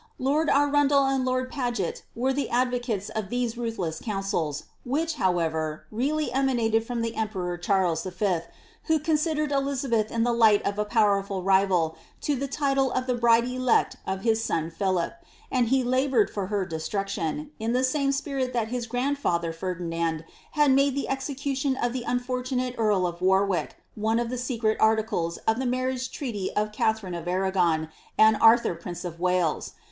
Lord Arundel and Lord Paget were the advocates ot these ruthless counsels, which, however, really emanated from the emperor Charles V., who considered Elizabeth in the light of a powerful rival to the title of the bride elect of his son Philip, and he laboured for her destruction, in Uie same spirit that his grandfather Ferdinand had made the execution of the unfortunate earl of Warwick one of the secret articles in the marriage treaty of Katharine of Arragon, and Arthur prince of Wales.